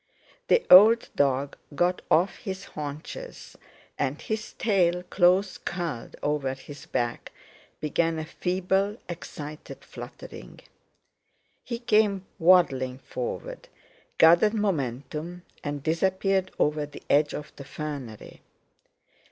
The old dog got off his haunches, and his tail, close curled over his back, began a feeble, excited fluttering; he came waddling forward, gathered momentum, and disappeared over the edge of the fernery.